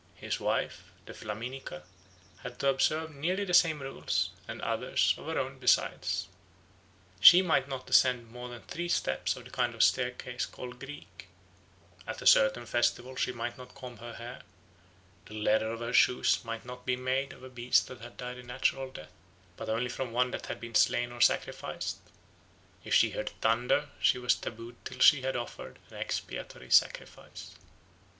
His wife, the Flaminica, had to observe nearly the same rules, and others of her own besides. She might not ascend more than three steps of the kind of staircase called Greek; at a certain festival she might not comb her hair; the leather of her shoes might not be made from a beast that had died a natural death, but only from one that had been slain or sacrificed; if she heard thunder she was tabooed till she had offered an expiatory sacrifice.